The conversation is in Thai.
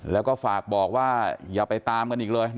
แล้วก็ฝากบอกว่าอย่าไปตามกันอีกเลย